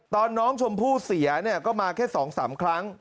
ตอนน้องชมพู่เสียเนี่ยก็มาแค่๒๓ครั้ง